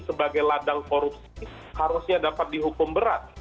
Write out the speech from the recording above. sebagai ladang korupsi harusnya dapat dihukum berat